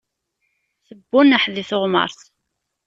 Tebbuneḥ di teɣmert.